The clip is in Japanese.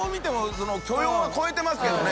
その許容は超えてますけどね